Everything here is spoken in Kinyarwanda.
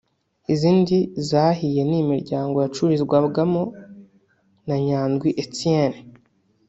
Izindi zahiye ni imiryango yacururizwagamo na Nyandwi Etienne